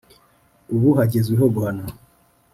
ubu hagezweho guhana